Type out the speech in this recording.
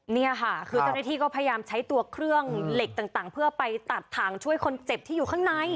นี่ค่ะคือเจ้าหน้าที่ก็พยายามใช้ตัวเครื่องเหล็กต่างเพื่อไปตัดถังช่วยคนเจ็บที่อยู่ข้างใน